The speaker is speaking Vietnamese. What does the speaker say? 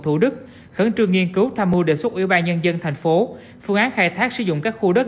thủ đức khẩn trương nghiên cứu tham mưu đề xuất ủy ban nhân dân thành phố phương án khai thác sử dụng các khu đất